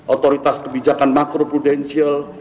otoritas kebijakan makro prudensial